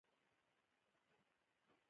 قرانکریم د زړه باچا او پر روح هیبت اچوونکی دئ.